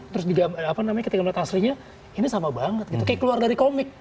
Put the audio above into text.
terus di gambar apa namanya ketika gambarnya aslinya ini sama banget gitu kayak keluar dari komik